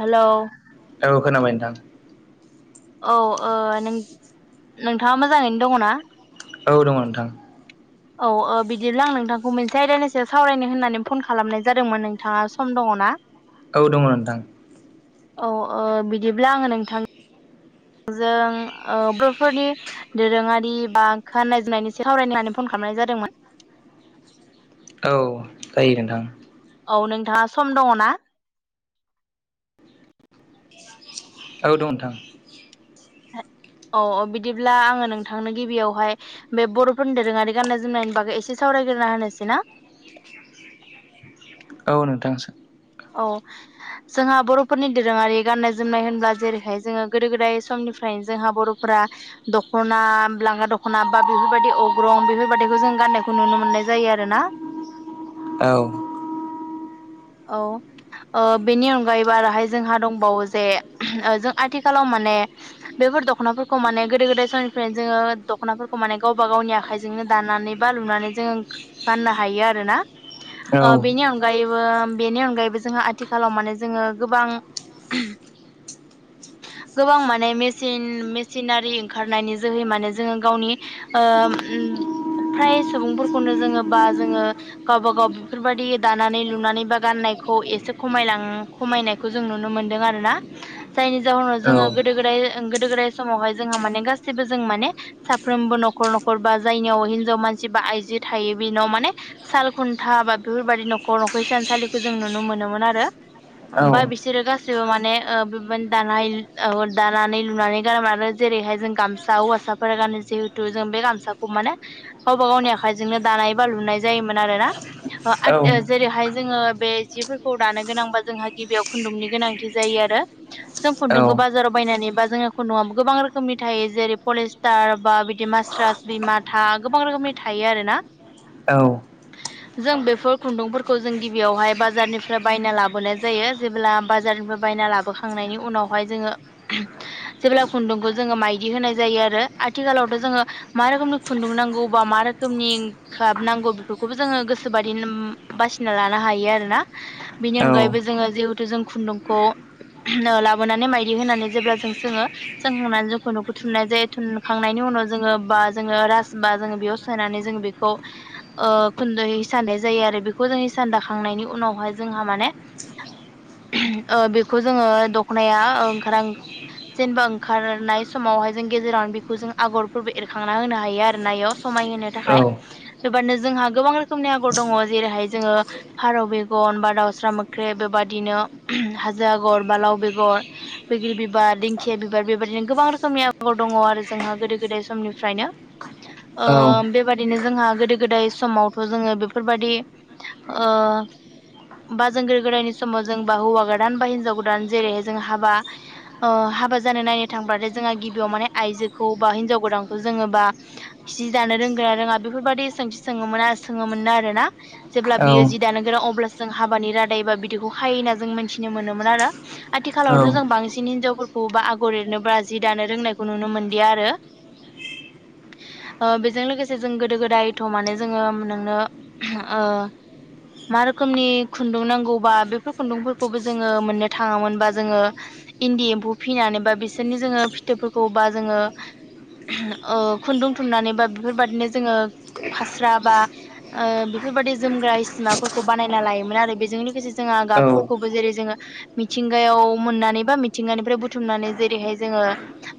Hello औ खोनाबाय नोंथां। औ ओ नों, नोंथाङा मोजाङैनो दङ ना? औ दङ नोंथां। औ बिदिब्ला आं नोंथांखौ मोनसे आयदानिसो सावरायनो होननानै फन खालामनाय जादोंमोन, नोंथाङा सम दङ। - फना, औ दङ नोंथां। औ ओ बिदिब्ला आङो नोंथां, जों ओ बर'फोरनि दोरोङारि बा गाननाय-जोमनायनि सावरायनो होननानै फन खालाम- -नाय जादोंमोन। औ, जायो नोंथां। औ नोंथाङा सम दङ ना? औ दं नोंथां। अ बिदिब्ला, आङो नोंथांनो गिबियावहाय बे बर'फोरनि दोरोङारि गाननाय जोमनायनि बागै एसे साव सावरायग्रा होनोसै ना? औ नोंथां सो औ जोंहा बर'फोरनि दोरोङारि गाननाय जोमनाय होनब्ला जेरैहाय जोङो गोदो-गोदाय समनिफ्राय जोंहा बर'फोरा दख'ना, लांगा दख'ना बा बेफोरबायदि अग्रं बेफोरबायदिखौ जों गाननायखौ नुनो मोननाय जा यो आरो ना। औ औ ओ बेनि अनगायैबो आरोहाय जोंहा दंबावो जे, ओ जों आथिखालाव माने, बेफोर दख'नाफोरखौ माने गोदो-गोदाय समनिफ्रायनो जोङो, दख'नाफोरखौ माने गावबा गावनि आखाइजोंनो दानानै बा बा लुनानै जोङो गाननो हायो आरोना। औ ओ बेनि अनगायैबो बेनि अनगायैबो जों आथिखालाव माने जोङो गोबां, [unintelligible] गोबां माने मेसिन, मेसिनारि ओंखारनायनि जोहै माने जोङो गावनि ओ, उम, फ्राय सुबुंफोरखौनो जोङो बा जोङो गावबा गाव बेफोरबायदि दानानै लुनानै बा गाननाय, खौ एसे खमायलां खमायनायखौ जों नुनो मोनदों आरोना, जायनि जाहोनाव औ जोङो गोदो गोदाय, गोदो-गोदाय समावहाय जोंहा माने गासिबो जों माने साफ्रोमबो न'खर न'खर बा जायनियाव हिजाव मानसि बा आइजो थायो बे न'आव माने साल खुन्था बा बेफोरबदि न'खर न'खर इसानसालि जों नुनो मोनोमोन आरो ओमफ्राय औ बिसोरो गासिबो माने ओ बेबादि दानाय ओ दानानै लुनानै गानोमोन आरो जे रैहाय जों गामसा, हौवासाफोरा गानो जिहेथु जों बे गामसाखौ माने गावबागावनि आखाइजोंनो दानाय एबा लुनाय जायोमोन आरोना। ओ औ आथ जेरैहाय जोङो बे जिफोरखौ दानो गोनांबा जोंहा गिबियाव खुन्दुंनि गोनांथि जायो आरो ।जों खुन्दुंखौ बाजाराव बाय नानै बा जोंङो खुनदुं आबो गोबां रोखोमनि थायो जेरै पलिस्टार बा बिदि मास्रास बि माथा गोबां रोखोमनि थायो आरो ना। औ जों बेफोर खुन्दुंफोरखौ जों गिबियावहाय बाजारनिफ्राय बायना लाबोनाय जायो जेब्ला बाजारनिफ्राय बायना लाबोखांनायनि उनावहाय जोङो जेब्ला खुन्दुंखौ जोङो माइदि होनाय जायो आरो आथिखालावथ' जोङो मा रोखोमनि खुन्दुं नां गौबा मा रोखोमनि गाब नांगौ बेफोरखौबो जोङो गोसोबादिनो‌ बासिना लानो हायो आरो ना ।बिनि अनगायैबो जोङो जिहेथु जों खुन्दुंखौ लाबोनानै मायदि होनानै जेब्ला जों सोङो सोंहोनानै जोंखौ न'खौ थुननाय जायो थुनखांनायनि उ नाव बा जोंङो रास बा जोङो बेयाव सोननानै जों बेखौ ओ खुनदै सानाय जा यो आरो बेखौ जोंनि इसान दाखांनायनि उनावहाय जोंहा माने ओ बेखौ जोङो दख'नाया ओंखार जेनेबा ओंखारनाय समावहाय जों गेजेरावनो बेखौ जों आगरफोरबो एरखांना होनो हायो आरो नायाव सम समाय होनो थाखाय। बेबादिनो जोंहा गोबां रोखोमनि आगर दङ जेरैहाय जोङो फारौ मेगन बा दाउस्रा मोख्रेब, बेबायदिनो हाजो आगर बा लाव बेगर, बैगिरि बिबार दिंखिया बिबार बेबायदिनो गोबां रोखोमनि आगर दङ आरो जोंहा गोदो गोदाय समनिफ्रायनो। ओं बेबा दिनो जोंहा गोदो गोदाय समावथ' जोङो बेफोरबायदि ओ बा जों गोदायनि समाव जों बा हौवा गोदान बा हिनजाव गोदान जेरैहाय जों हाबा, ओ हाबा जानो नायनो थांब्लाथाय जोंहा गिबियाव माने आइजोखौ बा हिनजाव गोदानखौ जोङो बा सि दा नो रोंगोना रोङा बेफोरबायदि सोंथि सोङोमोना सोङोमोना आरोना जेब्ला बियो जि दानो गोरों अब्लासो जों हाबानि रादायबा बिदिखौ खायो होनना मिथिनो मोनोमोन आरो ।आथिखालावथ' जों बांसिन हिनजाव फोरखौ बा आगर एरनोबा जि दानो रोंनायखौ नुनो मोनदि आरो। ओ बेजों लोगोसे जों गोदो गोदायथ' माने जोङो नोंनो ओ मार खोमनि खुनदुं नांगौबा बेफोर खुनदुं फोरखौबो जोङो मोननो थाङामोन बा जोङो इन्दि एम्फौ फिनानै बा बिसोरनि जोङो फिथोफोरखौ बा जोङो ओहम ओ खुन्दुं थुननानै बा बेफोरबादिनो जोङो फास्रा बा ओ बेफोरबायददि जोमग्रा हिसिमा खौ बानायना लायोमोन आरो बेजों लोगोसे जोंहा औ गाबफोरखौबो जेरै जोङो मिथिंगायाव मोननानै बा मिथिंगानिफ्राय बुथुमनानै जेरैहाय जोङो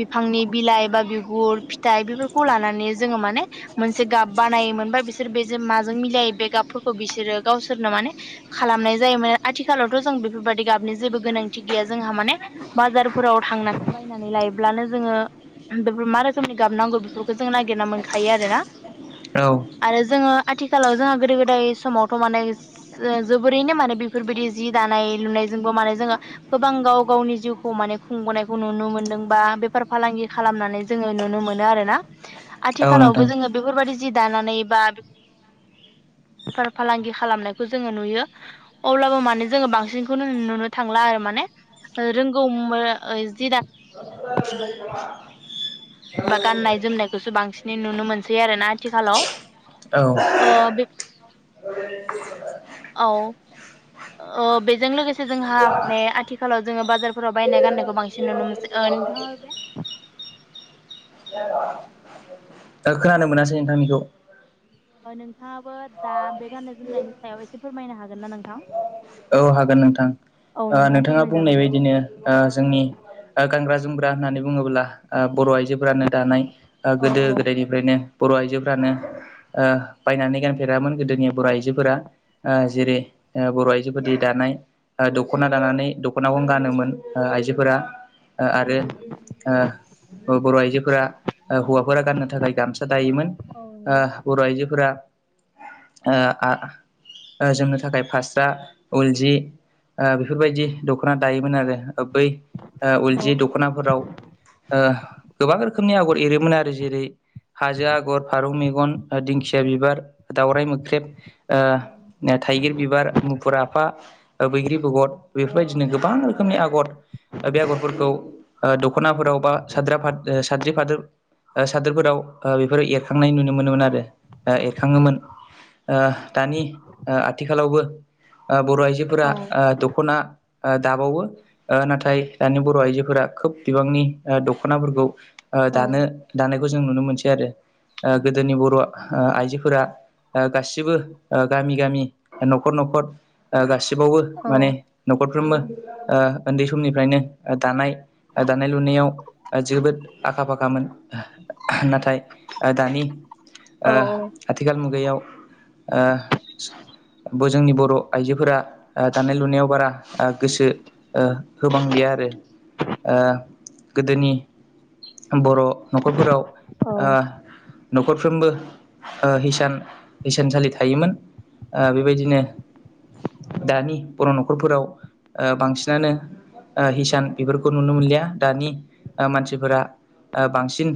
बिफांनि बिलाइ बा बिहुर फिथाइ बेफोरखौ लानानै नानै जोङो माने मोनसे गाब बानायोमोनबा बिसोर बेजों माजों मिलायो बे गाबफोरखौ बिसोरो गावसोरनो माने खालामनाय जाय माने आथिखालावथ' जों बेफोरबायदि गाबनि जेबो गोनांथि गैया जोंहा माने बाजारफोराव थांनानै बायनानै लायोब्लानो जोङो बेफोर मा रोखोमनि गाबनांगौ बेफोरखौ जों नागिरना मोनखायो आरोना आरो जोङो आथिखालाव जोंहा गोदो गोदाय समाव माने जो जोबोरैनो माने बेफोरबायदि जि दानाय लुनायजोंबो माने जोङो गोबां गाव गावनि जिउखौ माने खुंबोनायखौ नुनो मोनदों बा बेफार फालांगि खालामनानै जोङो नुनो मोनो आरोना औ आथिखालावबो नोंथां जोङो बेफोरबायदि जि दानानै बा फालांगि खालामनायखौ जोङो नुयो अब्लाबो माने जोङो बांसिनखौनो नुनो थांला आरो माने ओ रोंगौ मो जिराद बा गाननाय जोमनायखौसो बांसिनै नुनो मोनसै आरो ना आथिखालाव औ ओ बे औ अ बेजों लोगोसे जोंहा माने आथिखालाव जोङो बाजारफोराव बायनाय गाननायखौ बांसिन नुनो मोनसै नोंथाङा बे हागोन नामा नोंथां? खोनानो मोनासै नोंथांनिखौ नोंथाङाबो दा बे गाननाय जोमनायनि सायाव एसे फोरमायनो हागोन ना नोंथां? औ हागोन नोंथां औ ओ नोंथां नोंथाङा बुंनाय फोरमायजागोन दे बदिनो ओ जोंनि गग्रा जोमग्रा होननानै बुङोब्ला बर' आइजोफ्रानो दानाय औ गोदो गोदायनिफ्रायनो बर' आइजोफ्रानो ओ बायनानै गानफेरामोन गोदोनि बर' आइजोफोरा ओ जेरै ओ बर' आइजो आजोफोरदि दानाय दख'ना दानानै दख'नाखौनो गानोमोन ओ आइजोफोरा ओ आरो ओ बर' आजोफोरा हौवाफोरा गाननो थाखाय गामसा दायोमोन औ ओ बर' आइजोफोरा ओ आ जोमनो थाखाय फास्रा उल जि ओ बेफोरबायदि दख'ना दायोमोन आरो बै औ उलजि दख'नाफोराव ओ गोबां रोख खोमनि आगर एरोमोन आरो जेरै हाजो आगर फारौ मेगन दिंखिया बिबार दावराइ मोख्रेब औ ओ थाइगिर बिबार मुफुर आफा बैग्रि बगर बेफोरबायदिनो गोबां नि आगर बे आगरफोरखौ दख'नाफोराव बा साद्रि फादोर सादोरफोराव बेफोराव एरखांनाय नुनो मोनोमोन ओ एरखाङोमोन ओ दानि आथिखालावबो बर' आइजोफोरा औ ओ दख'ना ओ दाबावो नाथाय दानि बर' आइजोफोरा खोब बिबांनि दख'नाफोरखौ ओ औ दानो दानायखौ जों नुनो मोनसै आरो गोदोनि बर' आइजोफोरा ओ गासिबो गामि गामि न'खर न'खर ओ गासिबावबो माने न'खरफ्रोमबो ओ उन्दै समनिफ्रायनो दानाय दानाय लुनायाव जोबोद आखा फाखा मोन नाथाय दानि औ ओ आथिखाल मुगायाव ओ ब जोंनि बर' आइजोफोरा दानाय लुनायाव बारा गोसो ओ होबांलिया आरो ओ गोदोनि बर' न'खरफोराव ओ औ न'खरफ्रोमबो ओ हिसान इसानसालि थायोमोन ओ बेबायदिनो दानि बर' न'खरफोराव ओ बांसिनानो ओ हिसान बेफोरखौ नुनो मोनलिया दानि ओ मानसिफोरा ओ बांसिन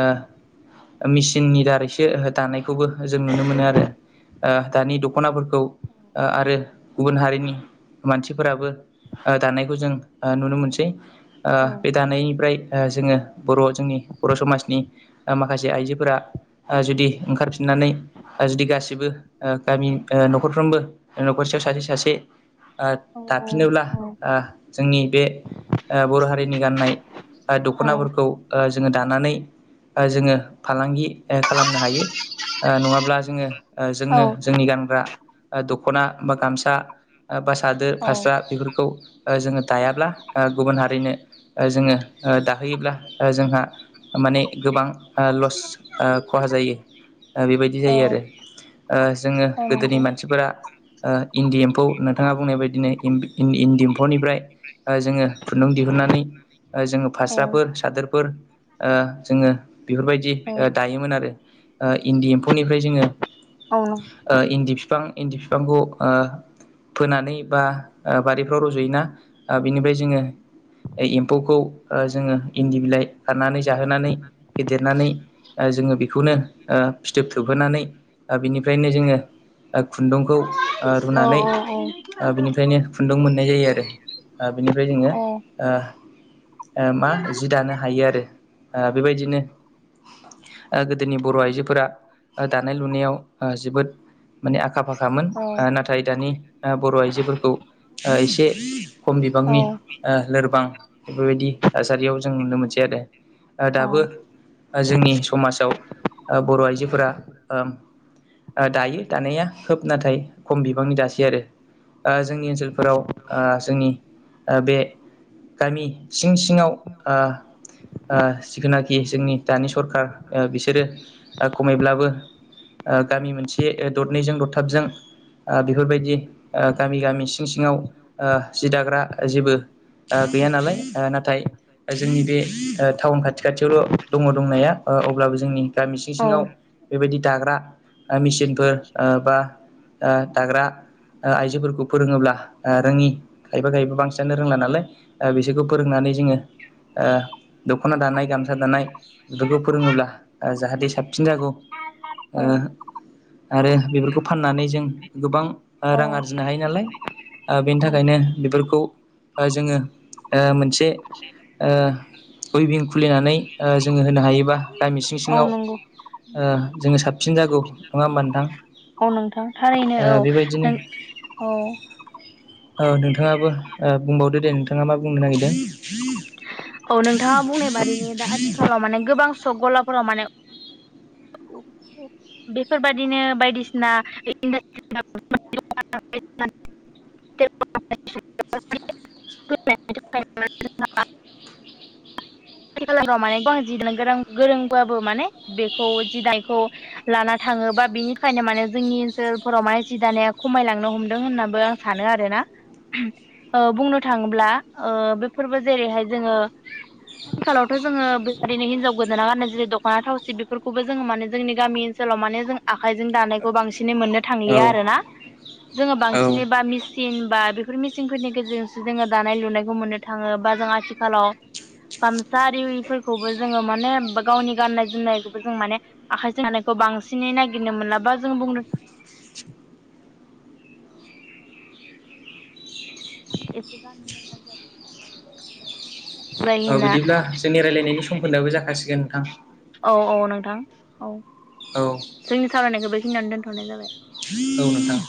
ओ मिसिननि दारैसो दानायखौबो जों नुनो मोनो आरो। ओ दानि दख'नाफोरखौ ओ आरो गुबुन हारिनि मानसिफोराबो ओ दानायखौ जों ओ नुनो मोनसै ओ बे दानायनिफ्राय ओ जोङो बर' जोंनि बर' समाजनि ओ माखासे आइजोफोरा ओ जुदि ओंखारफिननानै जुदि गासिबो ओ गामि ओ न'खरफ्रोमबो ओ न' खरसेयाव सासे सासे ओ दाफिनोब्ला औ ओ जोंनि बे ओ बर' हारिनि गाननाय ओ औ दख'नाफोरखौ ओ जोङो दानानै ओ जोङो फालांगि ओ खालाम नो हायो ओ नङाब्ला जोङो ओ जोंनो औ जोंनि गानग्रा ओ दख'ना बा गामसा बा सादोर औ फास्रा बेफोरखौ ओ जोङो दायाब्ला ओ गुबुन हारिनो ओ जोङो ओ दाहोयोब्ला ओ जोंहा माने गोबां ओ लस ओ खहा ओ जायो बेबायदि औ जायो आरो ओ जोङो औ गोदोनि नंगौ मानसिफोरा ओ इन्दि एम्फौ नोंथाङा बुंनाय बायदिनो इन-इन्दि इन्दि एम्फौनिफ्राय ओ जोङो खुन्दुं दिहुनन्नानै ओ जोङो औ फास्राफोर सादोरफोर ओ जोङो बेफोरबायदि औ ओ दायोमोन आरो ओ इन्दि एम्फौनिफ्राय जोङो ओ औ इन्दि फिफां इन्दि फिफांखौ ओ फोनानै बा ओ बारिफ्राव रज'योना ओ बिनिफ्राय जोङो एम्फौखौ ओ जोङो इन्दि बिलाइ खानानै जाहोनानै फेदेरनानै ओ जोङो बेखौनो ओ ओ फिथोब थोबहोनानै ओ बिनिफ्रायनो जोङो ओ खुन्दुंखौ [unintelligible] ओ औ रुनानै औ औ ओ बिनिफ्रायनो खुन्दुं मोननाय जायो आरो ओ बिनिफ्राय जोङो औ ओ ओ मा जि दानो हायो आरो ओ बेबायदिनो ओ गोदोनि बर' आइजोफोरा ओ दानाय लुनायाव ओ जोबोद माने आखा फा खा नाथाय दानि ओ बर' आइजोफोरखौ ओ एसे खम बिबांनि ओ लोरबां बेफोरबायदि थासारियाव जों नुनो मोनसै आरो ओ दाबो ओ जोंनि समाजाव ओ बर' आइजोफोरा ओ ओ दायो दानाया खोब नाथाय खम बिबांनि दासै आरो ओ जोंनि ओनसोलफोराव ओ जोंनि ओ बे गामि सिं सिङाव ओ ओ जिखुनाखि जोंनि दानि सरखार ओ बिसोरो ओ खमैब्लाबो ओ गामि मोनसे ओ दरनैजों दरथामजों ओ बेफोरबायदि ओ गामि गामि सिं सिंआव ओ जि दाग्रा आइजो ओ गैया नालाय ओ नाथाय जोंनि बे ओ टाउन खाथि खाथियावल' दङ दंनाया ओ अब्लाबो जोंनि गामि सिं औ सिङाव बेबायदि दाग्रा ओ मेचिनफोर ओ बा ओ दाग्रा ओ आइजोफोरखौ फोरोङोब्ला ओ रोङि खायफा खायबा बांसिनानो रोंला नालाय ओ बिसोरखौ फोरोंना नै जोङो ओ दख'ना दानाय गामसा दानाय बेफोरखौ फोरोङोब्ला ओ जाहाथे साब सिन जागौ ओ औ आरो बेफोरखौ फाननानै जों गोबां ओ रां आरजिनो हायो नालाय ओ बेनि थाखायनो बेफोरखौ ओ जोङो ओ मोनसे ओ उइभिं खुलिनानै ओ जोङो होनो हायोबा गामि सिं औ सिङाव नंगौ ओ जोङो साबसिन जागौ नङा होमबा नोंथां औ नोंथां थारैनो ओ औ बेबायदिनो नों औ औ नोंथाङाबो। ओ बुंबावदो दे नोंथाङा मा बुंनो नागिरदों। औ नोंथाङा बुंनाय बादिनि दा आथिखालाव माने गोबां सक गलाफोराव माने बेफोरबायदिनो बायदिसिना [unintelligible] [unintelligible] [unintelligible] खारफ्राव माने गोबां गोरों गोरोंब्लाबबो माने बेखौ जिनायखौ लाना थाङो। बा बेनिखायनो माने जोंनि ओनसोलफोराव माने जि दानाया खमायलांनो हमदों होननाबो आं सानो आरोना। बुंनो थाङोब्ला बे फोरबो जेरैहाय जोङो आथिखालावथ' जोङो बेबायदिनो हिनजाव गोदोना गाननाय जेरै दख'ना थावसि बेफोरखौबो जोङो माने जोंनि गामि ओनसोलाव माने जों आखाइजों दानायखौ बांसिनै मोननो औ थांलिया आरोना जोङो औ बांसिनै बा मिस सिन बा बेफोर मिसिंफोरनि गेजेरजोंसो जोङो दानाय लुनायखौ मोननो थाङो बा जों आथिखालाव गामसा आरिफोरखौबो जोङो माने गावनि गाननाय जोमनायखौबो जों माने आखाइजों हानायखौ बांसिनै नागिरनो मोनाबा जों बुंनो एसे गाननो मोजां जायोबा न'आवाल औ बिदिब्ला जोंनि राय्लायनायनि समफोरनाबो जाखासिगोन नोंथां। औ औ नोंथां औ औ जोंनि सावरायनायखौ बेखिनिनानै दोनथ'नाय जाबाय। औ नोंथां।